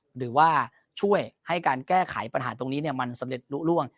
หรือว่าช่วยให้การแก้ไขปัญหาตรงนี้มันสำเร็จลุล่วง